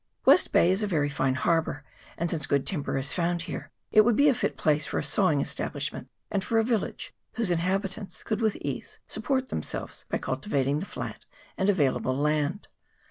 West Bay is a very fine harbour, and, since good timber is found here, it would be a fit place for sawing establishments, and for a village, whose in habitants could with ease support themselves by cultivating the flat and available land.